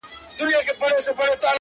چي منگول ته مو جوړ کړی عدالت دئ!